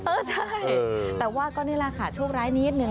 เออใช่แต่ว่าก็นี่แหละค่ะโชคร้ายนิดนึง